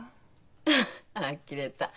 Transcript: フッあきれた。